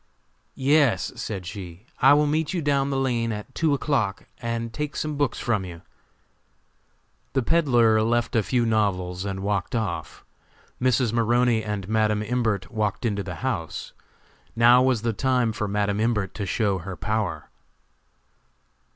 "Yes," said she, "I will meet you down the lane at two o'clock and take some books from you." The peddler left a few novels and walked off. Mrs. Maroney and Madam Imbert walked into the house. Now was the time for Madam Imbert to show her power.